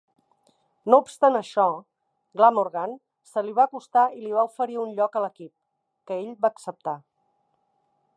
No obstant això, Glamorgan se li va acostar i li va oferir un lloc a l'equip, que ell va acceptar.